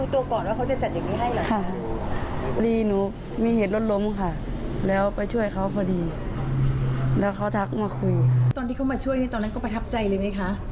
ตอนที่เขามาช่วยนี่ตอนนั้นก็ประทับใจเลยไหมคะ